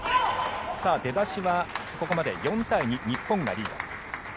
出だしは、ここまで４対２日本がリード。